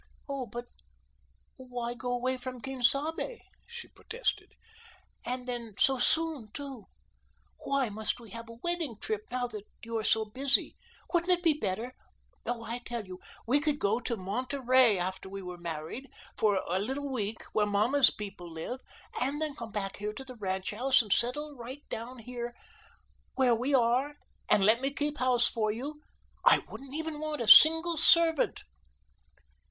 "Oh, but why go away from Quien Sabe?" she protested. "And, then, so soon, too. Why must we have a wedding trip, now that you are so busy? Wouldn't it be better oh, I tell you, we could go to Monterey after we were married, for a little week, where mamma's people live, and then come back here to the ranch house and settle right down where we are and let me keep house for you. I wouldn't even want a single servant."